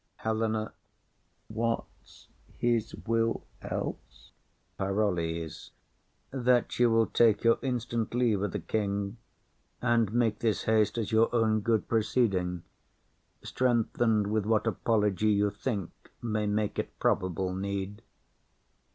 HELENA. What's his will else? PAROLLES. That you will take your instant leave o' the king, And make this haste as your own good proceeding, Strengthen'd with what apology you think May make it probable need.